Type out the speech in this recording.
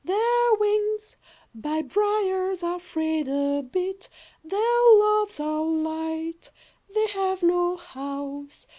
Their wings By briars are frayed a bit. Their loves are light. They have no house.